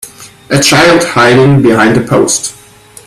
A child hiding behind a post.